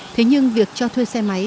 thế nhưng việc cho thuê xe máy